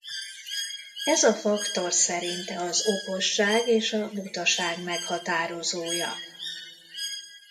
Ez a faktor szerinte az okosság és a butaság meghatározója.